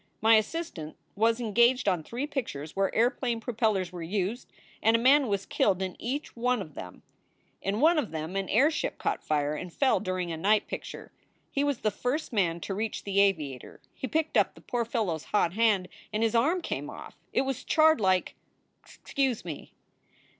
"My assistant was engaged on three pictures where airplane propellers were used, and a man was killed in each one 30 4 SOULS FOR SALE of them. In one of them an airship caught fire and fell during a night picture. He was the first man to reach the aviator. He picked up the poor fellow s hot hand and his arm came off. It was charred like Excuse me!"